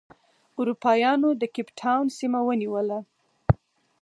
اروپا یانو د کیپ ټاون سیمه ونیوله.